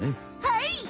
はい！